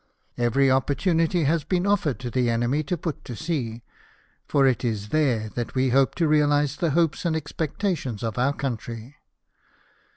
Every opportunity has been offered the enemy to put to sea, for it is there that we hope to realise the hopes and expectations of our country."